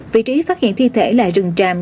vị trí phát hiện thi thể là rừng tràm